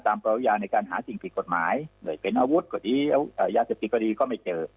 ตามประวัยยาในการหาสิ่งผิดกฎหมายเหนื่อยเป็นอาวุธกฎียาเศรษฐกฎีก็ไม่เจอ